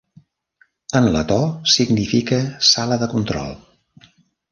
En letó, significa "sala de control".